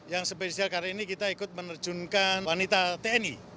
yang spesial kali ini kita ikut menerjunkan wanita tni